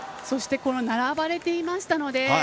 並ばれていましたので。